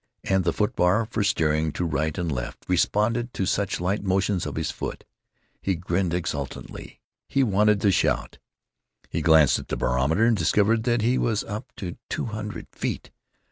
And the foot bar, for steering to right and left, responded to such light motions of his foot. He grinned exultantly. He wanted to shout. He glanced at the barometer and discovered that he was up to two hundred feet.